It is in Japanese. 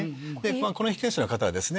この被験者の方はですね